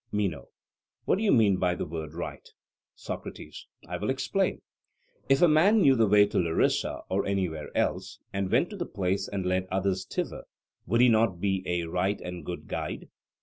MENO: What do you mean by the word 'right'? SOCRATES: I will explain. If a man knew the way to Larisa, or anywhere else, and went to the place and led others thither, would he not be a right and good guide?